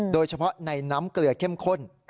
โดยเฉพาะในน้ำเกลือเข้มข้น